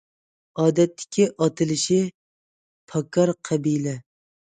ئادەتتىكى ئاتىلىشى‹‹ پاكار قەبىلە››.